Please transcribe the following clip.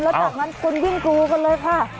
แล้วจากนั้นคุณวิ่งกรูกันเลยค่ะ